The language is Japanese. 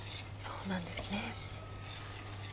そうなんですね。